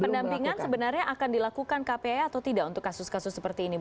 pendampingan sebenarnya akan dilakukan kpai atau tidak untuk kasus kasus seperti ini